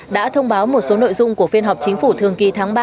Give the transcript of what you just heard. đã thông báo một số nội dung của phiên họp chính phủ thường kỳ tháng ba